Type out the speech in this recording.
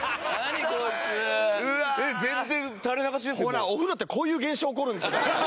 ほらお風呂ってこういう現象起こるんですよだから。